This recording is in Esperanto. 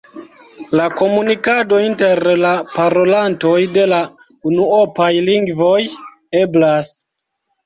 La komunikado inter la parolantoj de la unuopaj lingvoj eblas.